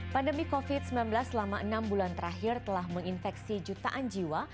pandemi covid sembilan belas selama enam bulan terakhir telah menginfeksi jutaan jiwa